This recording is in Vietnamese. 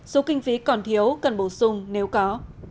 số kinh phí còn thiếu cần bổ sung nếu có